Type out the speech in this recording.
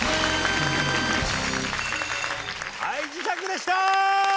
はい磁石でした！